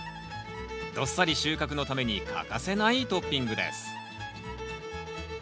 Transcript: どっさり収穫のために欠かせないトッピングです。